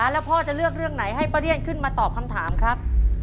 แล้วพ่อจะเลือกเรื่องไหนให้ป้าเรียนขึ้นมาตอบคำถามครับ